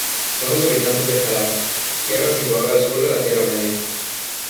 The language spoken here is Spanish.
Son los habitantes de Harad, tierra situada al sur de la Tierra Media.